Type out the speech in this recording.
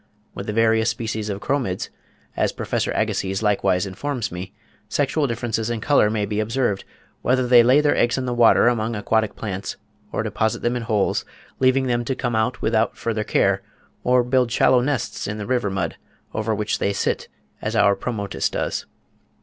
With the various species of Chromids, as Professor Agassiz likewise informs me, sexual differences in colour may be observed, "whether they lay their eggs in the water among aquatic plants, or deposit them in holes, leaving them to come out without further care, or build shallow nests in the river mud, over which they sit, as our Pomotis does.